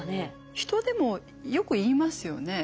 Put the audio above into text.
ヒトでもよく言いますよね。